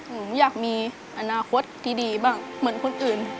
หนูอยากมีอนาคตที่ดีบ้างเหมือนคนอื่น